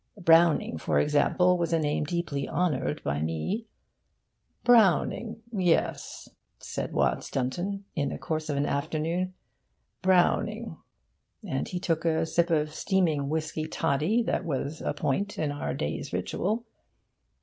Browning, for example, was a name deeply honoured by me. 'Browning, yes,' said Watts Dunton, in the course of an afternoon, 'Browning,' and he took a sip of the steaming whisky toddy that was a point in our day's ritual.